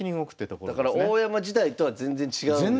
だから大山時代とは全然違うんですね。